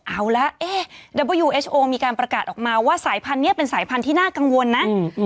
เอาละเอ๊ะดับเบอร์ยูเอสโอมีการประกาศออกมาว่าสายพันธุ์นี้เป็นสายพันธุ์ที่น่ากังวลนะ